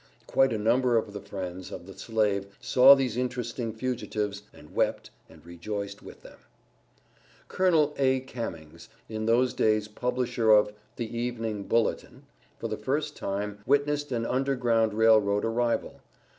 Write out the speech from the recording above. Quite a number of the friends of the slave saw these interesting fugitives, and wept, and rejoiced with them. Col. A. Cammings, in those days Publisher of the "Evening Bulletin," for the first time, witnessed an Underground Rail Road arrival.